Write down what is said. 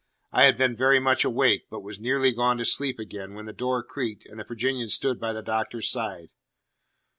I had been very much awake, but was nearly gone to sleep again, when the door creaked and the Virginian stood by the Doctor's side.